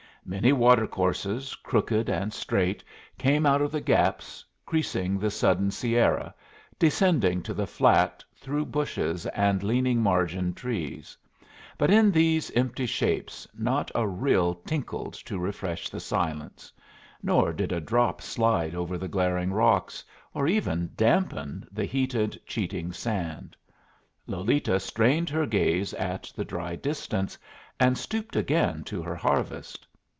Many watercourses, crooked and straight, came out of the gaps, creasing the sudden Sierra, descending to the flat through bushes and leaning margin trees; but in these empty shapes not a rill tinkled to refresh the silence, nor did a drop slide over the glaring rocks, or even dampen the heated, cheating sand. Lolita strained her gaze at the dry distance, and stooped again to her harvest.